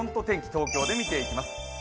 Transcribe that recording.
東京で見ていきます。